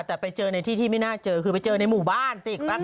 แต่ไปเจอในที่ที่ไม่น่าเจอคือไปเจอในหมู่บ้านสิ